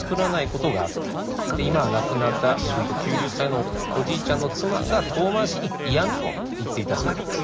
今は亡くなったしゅうと９０歳のおじいちゃんの妻が遠回しに嫌みを言っていたそうなんです。